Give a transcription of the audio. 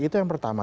itu yang pertama